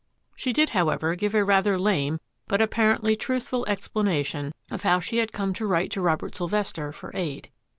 She did, however, give a rather lame, but appar ently truthful, explanation of how she had come to write to Robert Sylvester for aid.